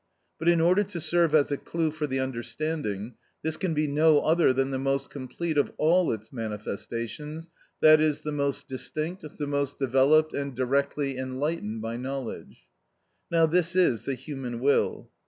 But in order to serve as a clue for the understanding, this can be no other than the most complete of all its manifestations, i.e., the most distinct, the most developed, and directly enlightened by knowledge. Now this is the human will.